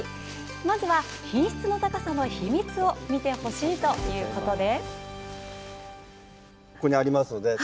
まずは、品質の高さの秘密を見てほしいということで。